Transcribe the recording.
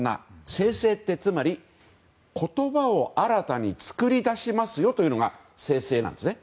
生成とはつまり言葉を新たに作り出しますよというのが生成なんですね。